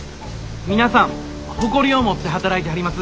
皆さん誇りを持って働いてはります。